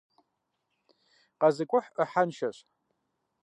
КъэзыкӀухь Ӏыхьэншэщ.